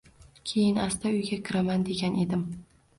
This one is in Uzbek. Keyin asta uyga kiraman degan edim